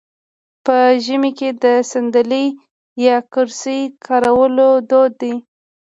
په ژمي کې د ساندلۍ یا کرسۍ کارول دود دی.